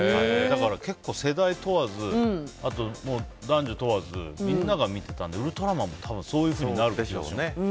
だから結構、世代問わず男女問わずみんなが見てたので「ウルトラマン」も多分そういうふうになるでしょうね。